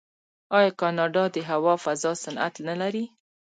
آیا کاناډا د هوا فضا صنعت نلري؟